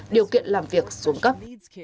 điều kiện làm việc xuống cấp